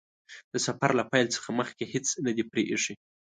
د سفر له پیل څخه مخکې هیڅ نه دي پرې ايښي.